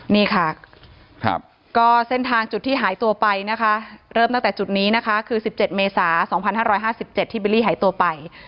นี่ค่ะก็เส้นทางจุดที่หายตัวไปนะคะเริ่มตั้งแต่จุดนี้นะคะคือ๑๗เมษา๒๕๕๗ที่บิลลี่หายตัวไป